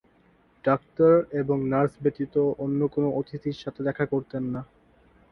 Doctor এবং nurse ব্যতীত অন্য কোন অতিথির সাথে দেখা করতেন না।